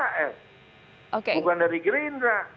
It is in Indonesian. bukan dari gerindra